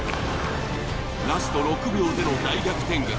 ラスト６秒での大逆転劇。